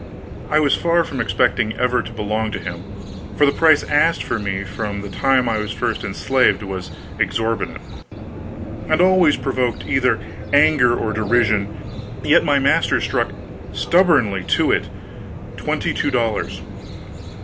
I was far from expecting ever to belong to him, for the price asked for me from the time I was first enslaved was exorbitant, and always provoked either anger or derision, yet my master stuck stubbornly to it twenty two dollars.